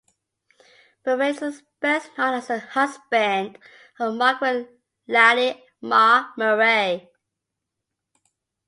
Murray is best known as the husband of Margaret Lally "Ma" Murray.